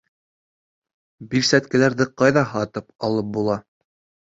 Бирсәткәләрҙе ҡайҙа һатып алып була?